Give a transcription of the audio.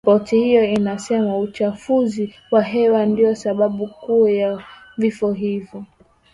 ripoti hiyo inasema uchafuzi wa hewa ndio sababu kuu ya vifo hivyo